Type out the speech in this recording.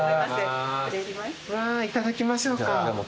わあいただきましょうか。